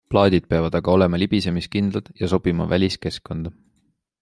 Plaadid peavad aga olema libisemiskindlad ja sobima väliskeskkonda.